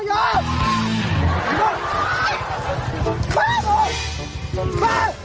ตกปิดประตู